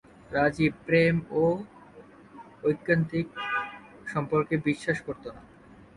রাজীব প্রেম ও ঐকান্তিক সম্পর্কে বিশ্বাস করত না।